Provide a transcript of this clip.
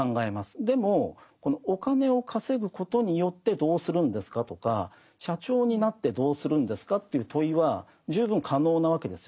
でもお金を稼ぐことによってどうするんですか？とか社長になってどうするんですか？という問いは十分可能なわけですよね。